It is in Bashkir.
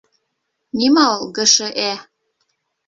— Нимә ул ГШЭ?..